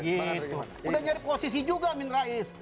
itu sudah nyari posisi juga amin rais